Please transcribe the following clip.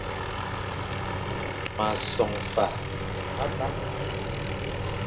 M a som fa abam,